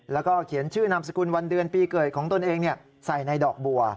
แล้วก็เขียนชื่อนามสกุลวันเดือนปีเกิดของตนเองใส่ในดอกบัว